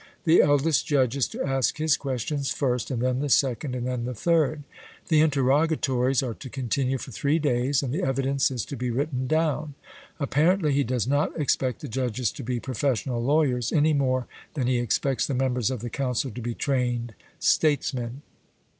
The eldest judge is to ask his questions first, and then the second, and then the third. The interrogatories are to continue for three days, and the evidence is to be written down. Apparently he does not expect the judges to be professional lawyers, any more than he expects the members of the council to be trained statesmen.